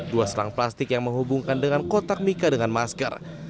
dua selang plastik yang menghubungkan dengan kotak mika dengan masker